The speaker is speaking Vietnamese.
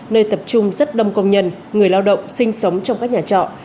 nơi tập trung rất đông công nhân người lao động sinh sống trong các nhà trọ